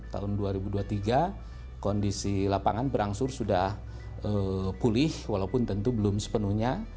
tahun dua ribu dua puluh tiga kondisi lapangan berangsur sudah pulih walaupun tentu belum sepenuhnya